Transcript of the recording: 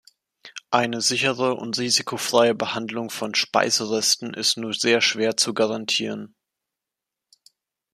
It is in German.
Eine sichere und risikofreie Behandlung von Speiseresten ist nur sehr schwer zu garantieren.